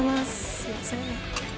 すいません。